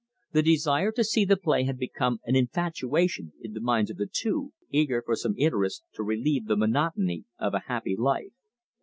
The desire to see the play had become an infatuation in the minds of the two, eager for some interest to relieve the monotony of a happy life.